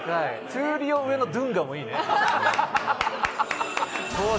闘莉王上のドゥンガもいいね。